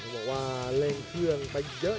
บอกว่าเร่งเครื่องไปเยอะ